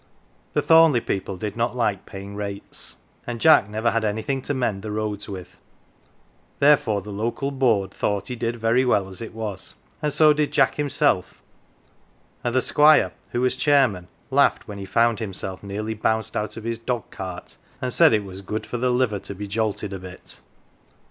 The Thorn Jeigh people did not like paying rates, and Jack never had anything to mend the roads with ; therefore the Local Board thought he did very well as it was, and so did Jack himself, and the Squire (who was chairman) laughed when he found himself nearly bounced out of his dog cart, and said it was good for the liver to be jolted a bit.